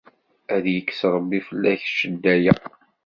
Ad yekkes Ṛebbi fell-ak cedda-ya.